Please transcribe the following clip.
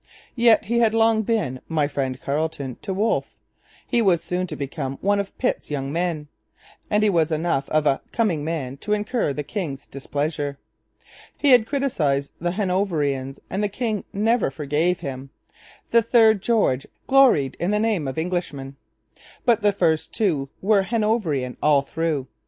Yet he had long been 'my friend Carleton' to Wolfe, he was soon to become one of 'Pitt's Young Men,' and he was enough of a 'coming man' to incur the king's displeasure. He had criticized the Hanoverians; and the king never forgave him. The third George 'gloried in the name of Englishman.' But the first two were Hanoverian all through.